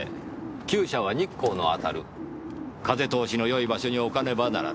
鳩舎は日光の当たる風通しの良い場所に置かねばならない。